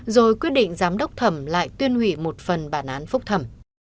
rồi quyết định giám đốc thẩm lại tuyên hủy một phần bản án phúc thẩm